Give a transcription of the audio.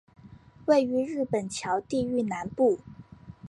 位于日本桥地域南部。